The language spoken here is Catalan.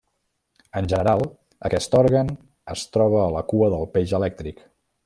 En general, aquest òrgan es troba a la cua del peix elèctric.